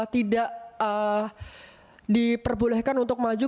tidak diperbolehkan untuk maju